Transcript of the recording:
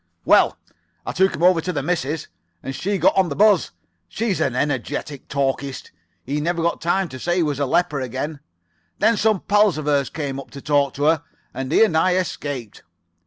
"Well, I took him over to the missus, and she got on the buzz. She's an energetic talkist. He never got time to say he was a leper once. Then some pals of hers came up to talk to her, and he and I escaped.